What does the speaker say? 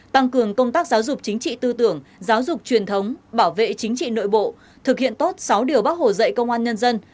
tăng cường công tác giáo dục chính trị tư tưởng giáo dục truyền thống bảo vệ chính trị nội bộ thực hiện tốt sáu điều bác hồ dạy công an nhân dân